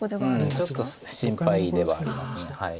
ちょっと心配ではあります。